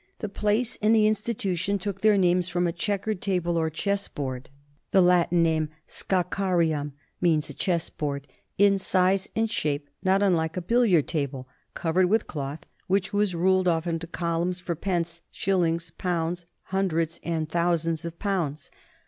The place and the institu tion took their names from a chequered table or chess board the Latin name scaccarium means a chess board in size and shape not unlike a billiard table, covered with cloth which was ruled off into columns for pence, shillings, pounds, hundreds and thousands of pounds.